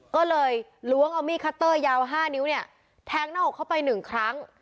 ก็เลยล้วงเอามีดคัตเตอร์ยาว๕นิ้วเนี่ยแทงหน้าอกเข้าไป๑ครั้ง